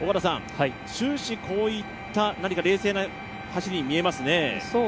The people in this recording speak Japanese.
終始こういった冷静な走りに見えますね。